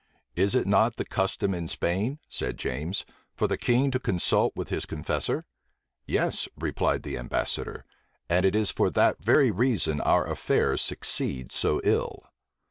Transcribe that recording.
"Is it not the custom in Spain," said James, "for the king to consult with his confessor?" "Yes," replied the ambassador; "and it is for that very reason our affairs succeed so ill."